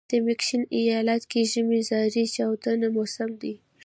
د میشیګن ایالت کې ژمی زارې چاودون موسم دی.